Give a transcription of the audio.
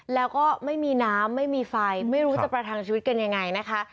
แล้วก็ไม่มีน้ำไม่มีไฟไม่รู้จะประทังชีวิตกันยังไงนะคะ